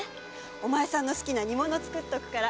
お前さんの好きな煮物を作っておくから。